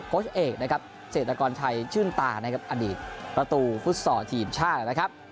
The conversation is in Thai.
โค้ชเอกเศรษฐกรไทยชื่นตาในอดีตประตูฟุตส่อทีมชาติ